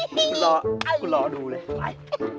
กูรอกูรอดูเลยไป